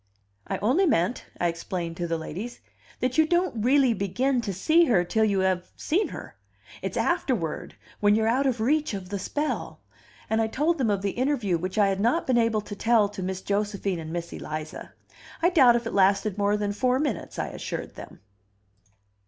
"I only meant," I explained to the ladies, "that you don't really begin to see her till you have seen her: it's afterward, when you're out of reach of the spell." And I told them of the interview which I had not been able to tell to Miss Josephine and Miss Eliza. "I doubt if it lasted more than four minutes," I assured them.